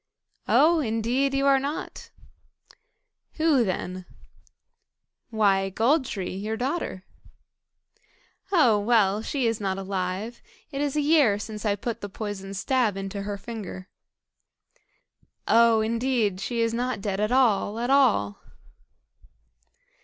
"Oh! indeed you are not." "Who then?" "Why, Gold tree, your daughter." "Oh! well, she is not alive. It is a year since I put the poisoned stab into her finger." "Oh! indeed she is not dead at all, at all."